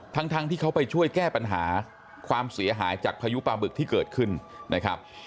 ทั้งที่เขาไปช่วยแก้ปัญหาความเสียหายจากพายุปลาบึกที่เกิดขึ้นนะครับ